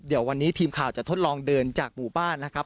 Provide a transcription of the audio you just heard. เดี๋ยววันนี้ทีมข่าวจะทดลองเดินจากหมู่บ้านนะครับ